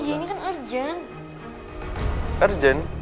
ya ini kan urgent